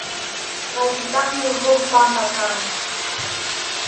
Kaypitaqmi huk pampa kan.